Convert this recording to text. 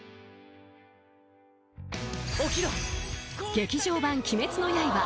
［『劇場版「鬼滅の刃」